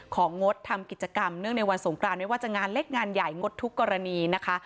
งดทำกิจกรรมเนื่องในวันสงกรานไม่ว่าจะงานเล็กงานใหญ่งดทุกกรณีนะคะ